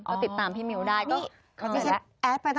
เราต้องทำไงต่อ